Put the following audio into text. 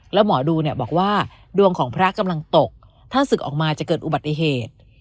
แล้วหมอดูเนี่ยบอกว่าดวงของพระกำลังตกถ้าศึกออกมาจะเกิดอุบัติเหตุ